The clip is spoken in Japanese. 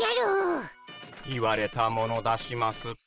言われたもの出します。